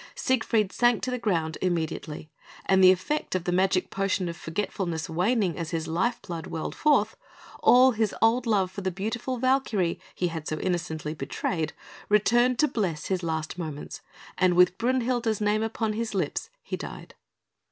Siegfried sank to the ground immediately; and the effect of the magic potion of forgetfulness waning as his life blood welled forth, all his old love for the beautiful Valkyrie he had so innocently betrayed returned to bless his last moments, and with Brünhilde's name upon his lips, he died.